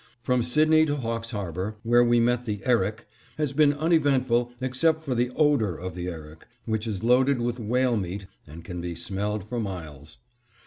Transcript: From Sydney to Hawks Harbor, where we met the Erik, has been uneventful except for the odor of the Erik, which is loaded with whale meat and can be smelled for miles.